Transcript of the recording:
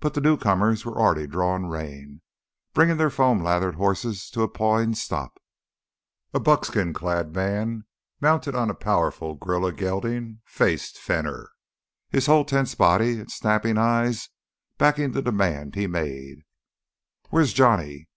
But the newcomers were already drawing rein, bringing their foam lathered horses to a pawing stop. A buckskin clad man mounted on a powerful grulla gelding faced Fenner, his whole tense body and snapping eyes backing the demand he made: "Where's Johnny?"